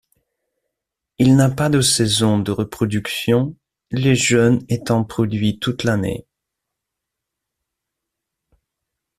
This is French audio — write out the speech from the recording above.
Il n'a pas de saison de reproduction, les jeunes étant produits toute l'année.